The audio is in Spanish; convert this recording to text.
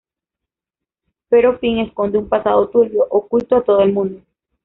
Pero Finn esconde un pasado turbio, oculto a todo el mundo.